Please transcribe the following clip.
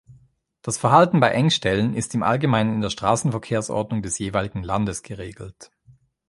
Das Verhalten bei Engstellen ist im Allgemeinen in der Straßenverkehrsordnung des jeweiligen Landes geregelt.